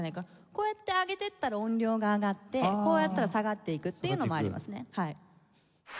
こうやって上げていったら音量が上がってこうやったら下がっていくっていうのもありますね。